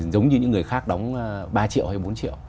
giống như những người khác đóng ba triệu hay bốn triệu